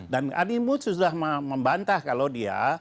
dan adi muts sudah membantah kalau dia